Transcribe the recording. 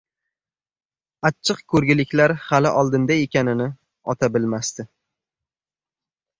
Achchiq koʻrguliklar hali oldinda ekanini ota bilmasdi.